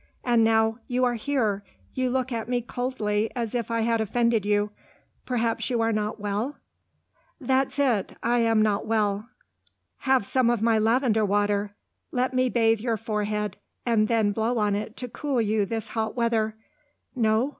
And now you are here, you look at me as coldly as if I had offended you. Perhaps you are not well?" "That's it. I am not well." "Have some of my lavender water! Let me bathe your forehead, and then blow on it to cool you this hot weather. No?